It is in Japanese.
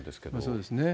そうですね。